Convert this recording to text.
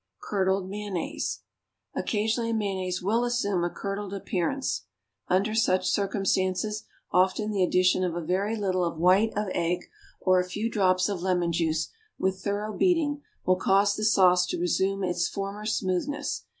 =Curdled Mayonnaise.= Occasionally a mayonnaise will assume a curdled appearance; under such circumstances, often the addition of a very little of white of egg or a few drops of lemon juice, with thorough beating, will cause the sauce to resume its former smoothness.